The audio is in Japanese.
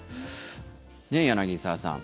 柳澤さん